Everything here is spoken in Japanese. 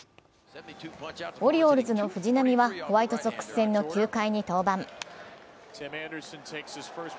オリオールズの藤浪はホワイトソックス戦の９回に登板。